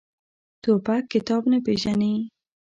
توپک کتاب نه پېژني.